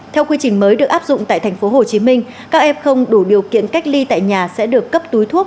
theo quy trình mới được áp dụng tại tp hcm các f đủ điều kiện cách ly tại nhà